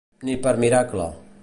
Ni per miracle.